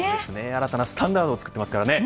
新たなスタンダードを作っていますからね。